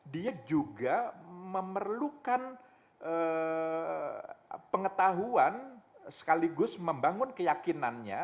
dia juga memerlukan pengetahuan sekaligus membangun keyakinannya